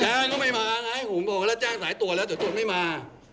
แจ้งก็ไม่มาไงผมบอกแล้วแจ้งสายตรวจแล้วแต่ตรวจไม่มา